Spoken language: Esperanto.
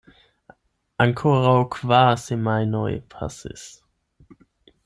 Ankoraŭ kvar semajnoj pasis.